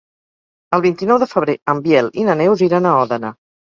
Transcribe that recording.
El vint-i-nou de febrer en Biel i na Neus iran a Òdena.